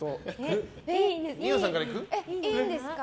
いいですか。